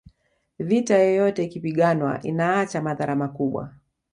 vita yoyote ikipiganwa inaacha madhara makubwa